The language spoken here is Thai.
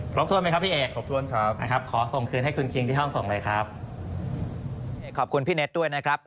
พร้อมทวนไหมครับพี่แอดขอส่งคืนให้คุณคิงที่ห้องส่งเลยครับนะครับขอบคุณพี่เน็ตด้วยนะครับ